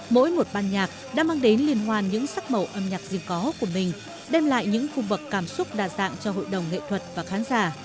mỗi một ban nhạc đã mang đến liên hoan những sắc màu âm nhạc riêng có của mình đem lại những khu vực cảm xúc đa dạng cho hội đồng nghệ thuật và khán giả